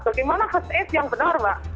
bagaimana khas aid yang benar mbak